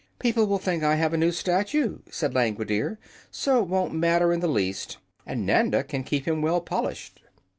"People will think I have a new statue," said Langwidere, "so it won't matter in the least, and Nanda can keep him well polished."